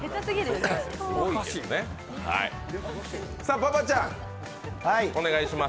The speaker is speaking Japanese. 馬場ちゃん、お願いします。